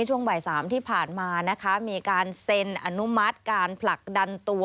ช่วงบ่ายสามที่ผ่านมานะคะมีการเซ็นอนุมัติการผลักดันตัว